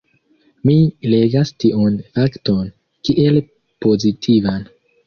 Mi legas tiun fakton kiel pozitivan.